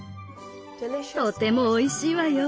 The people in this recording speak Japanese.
とてもおいしいわよ。